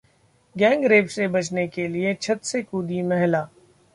gangrape से बचने के लिए छत से कूदी महिला